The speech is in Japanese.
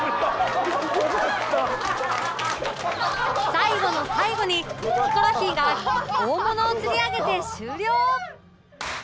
最後の最後にヒコロヒーが大物を釣り上げて終了！